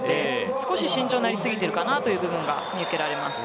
少し慎重になりすぎているという部分が見受けられます。